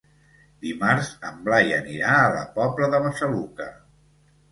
Dimarts en Blai anirà a la Pobla de Massaluca.